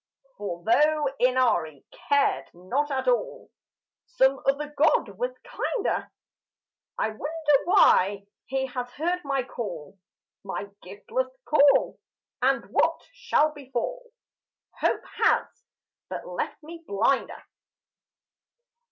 For though Inari cared not at all, Some other god was kinder. I wonder why he has heard my call, My giftless call and what shall befall?... Hope has but left me blinder!